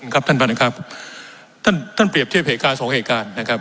ครับท่านประธานครับท่านท่านเปรียบเทียบเหตุการณ์สองเหตุการณ์นะครับ